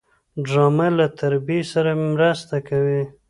ډرامه له تربیې سره مرسته کوي